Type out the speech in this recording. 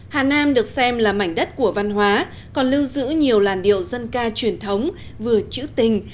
hà nam được xem là mảnh đất của văn hóa còn lưu giữ nhiều làn điệu dân ca truyền thống vừa chữ tình